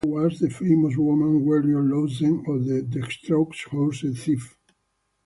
Victorio's sister was the famous woman warrior Lozen, or the "Dextrous Horse Thief".